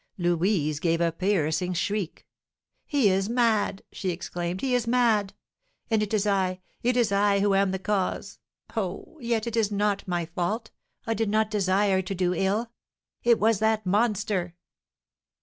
Louise gave a piercing shriek. "He is mad!" she exclaimed, "he is mad! and it is I it is I who am the cause! Oh! Yet it is not my fault, I did not desire to do ill, it was that monster."